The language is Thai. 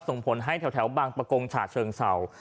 ส่งผลให้แถวบางประกงฉาเชิงเศร้า